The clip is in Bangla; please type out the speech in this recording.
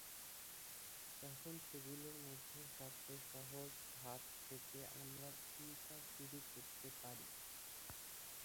তখন সেগুলোর মধ্যে সবচেয়ে সহজ ভাব থেকে আমরা চিন্তা শুরু করতে পারি।